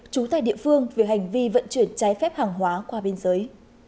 chú thầy địa phương về hành vi vận chuyển trái phép hàng hóa qua biên giới